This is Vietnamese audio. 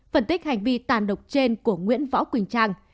phân tích hành vi tàn độc trên của nguyễn võ quỳnh trang